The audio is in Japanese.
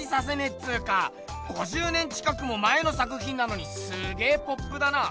っつうか５０年近くも前の作品なのにすげポップだな。